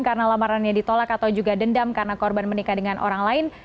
karena lamarannya ditolak atau juga dendam karena korban menikah dengan orang lain